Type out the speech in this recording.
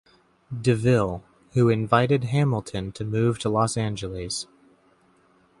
DeVille, who invited Hamilton to move to Los Angeles.